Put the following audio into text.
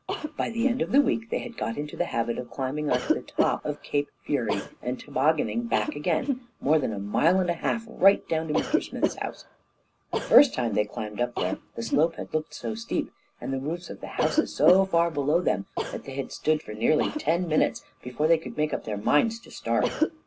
By the end of the week they had got into the habit of climbing on to the top of Cape Fury and tobogganing back again, more than a mile and a half, right down to Mr Smith's house. The first time they climbed up there the slope had looked so steep, and the roofs of the houses so far below them, that they had stood for nearly ten minutes before they could make up their minds to start.